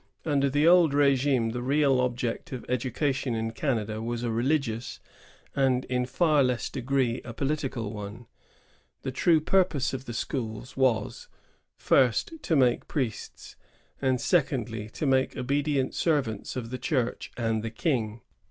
Under the old regime the real object of education in Canada was a religious and, in far less degree, a poUtical one. The true purpose of the schools was : first, to make priests ; and, secondly, to make obedient servants of the Church and the King.